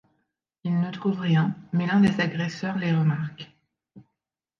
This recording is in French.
Ils ne trouvent rien mais l'un des agresseurs les remarque.